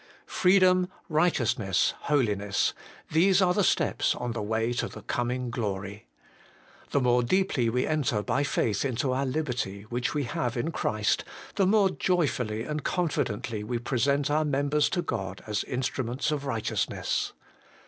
Freedom, Righteousness, Holiness these are the steps on the way to the coming glory. The more deeply we enter by faith into our liberty, which we have in Christ, the more joyfully and confidently we present our members to God as instruments of righteousness.